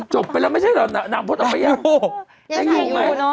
จบไปแล้วไม่ใช่แล้วนางพลตอบไปรึยัง